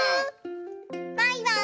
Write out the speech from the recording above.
バイバーイ！